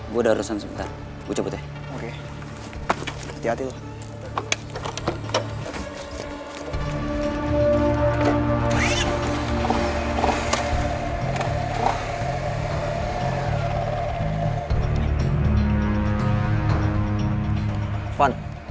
gue udah urusan sebentar gue cabut ya